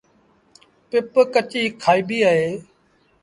پپ ڪچيٚ کآئيٚبيٚ اهي۔